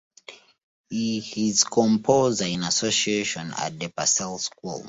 He is Composer in Association at the Purcell School.